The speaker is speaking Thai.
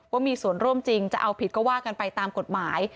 ว่ามีส่วนร่วมจริงจะเอาผิดก็ว่ากันไปตามกฎหมาย